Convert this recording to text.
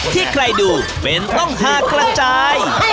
ที่ใครดูเป็นต้องฮากระจาย